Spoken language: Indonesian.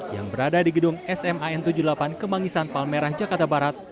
yang berada di gedung sman tujuh puluh delapan kemangisan palmerah jakarta barat